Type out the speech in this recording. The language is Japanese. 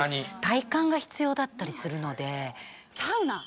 体幹が必要だったりするのでサウナ！